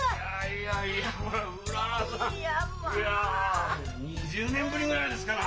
いや２０年ぶりぐらいですかな？